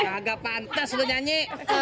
agak pantas nyanyi